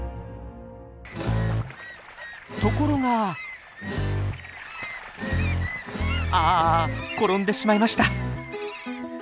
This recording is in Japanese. ところがあ転んでしまいました。